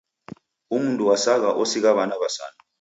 Umundu wasagha osigha w'ana w'asanu.